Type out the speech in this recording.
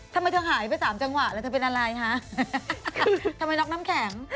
ทำไมเธอหายไปสามจังหวะแล้วเธอเป็นอะไรคะทำไมน็อกน้ำแข็ง